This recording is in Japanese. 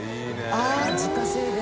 あっ自家製で。